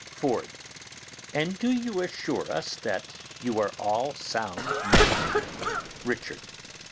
Ford. And do you assure us that you are all sound men? Richard.